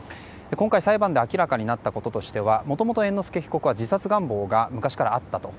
今回、裁判で明らかになったこととしてはもともと猿之助被告は自殺願望が昔からあったと。